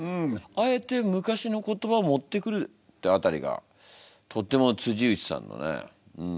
あえて昔の言葉を持ってくるってあたりがとても内さんのねん